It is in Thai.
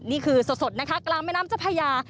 นี่คือสดนะคะกลางแม่น้ำเจ้าพญา